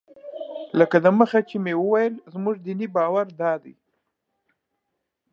لکه دمخه مې چې وویل زموږ دیني باور دادی.